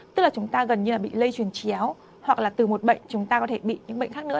tức là chúng ta gần như là bị lây truyền chéo hoặc là từ một bệnh chúng ta có thể bị những bệnh khác nữa